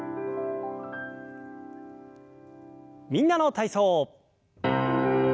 「みんなの体操」。